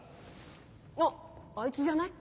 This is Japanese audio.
あっあいつじゃない？